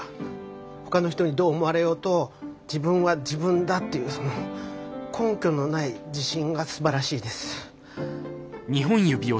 ほかの人にどう思われようと自分は自分だっていうその根拠のない自信がすばらしいです。